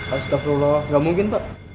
astagfirullah gak mungkin pak